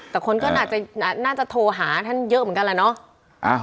แต่คนก็น่าจะโทรหาท่านเยอะเหมือนกันแหละเนาะ